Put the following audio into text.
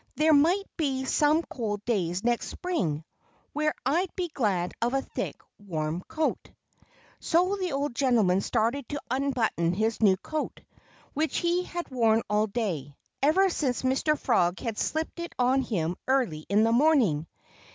There might be some cold days next spring when I'd be glad of a thick, warm coat." So the old gentleman started to unbutton his new coat, which he had worn all day, ever since Mr. Frog had slipped it on him early in the morning.